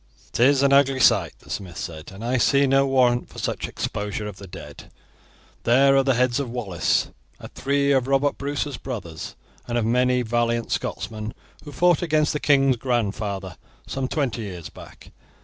"It is an ugly sight," the smith said, "and I can see no warrant for such exposure of the dead. There are the heads of Wallace, of three of Robert Bruce's brothers, and of many other valiant Scotsmen who fought against the king's grandfather some twenty years back.